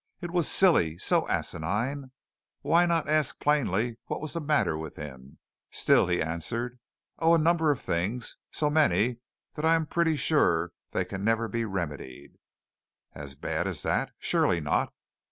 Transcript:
It was silly, so asinine. Why not ask plainly what was the matter with him? Still he answered: "Oh, a number of things. So many that I am pretty sure they can never be remedied." "As bad as that? Surely not.